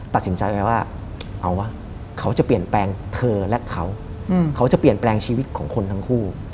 ตัดสินใจไปว่าเอาวะเขาจะเปลี่ยนแปลงเธอและเขาเขาจะเปลี่ยนแปลงชีวิตของคนทั้งคู่